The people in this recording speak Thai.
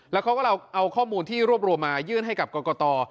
แล้วเขาก็เราเอาข้อมูลที่รวบรวมมายื่นให้กับกรกต